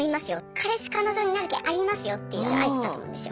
彼氏彼女になる気ありますよっていう合図だと思うんですよ。